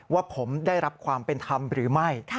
ว่าผมได้รับความเป็นธรรมหรือไม่